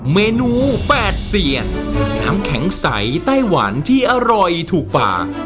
เมนูแปดเสียดน้ำแข็งใสไต้หวันที่อร่อยถูกปาก